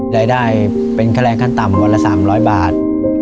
รายได้เป็นค่าแรงขั้นต่ำวันละ๓๐๐บาท